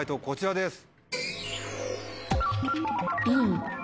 こちらです。